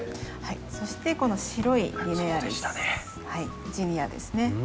そしてこの白いリネアリスジニアですね。